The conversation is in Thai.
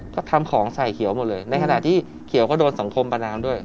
ก็ทำของใส่เขียวหมดเลยในขณะที่เขียวก็โดนสังคมประนามด้วย